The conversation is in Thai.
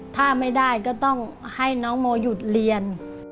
ถ้าไม่ได้ก็ต้องให้น้องโมหยุดเรียน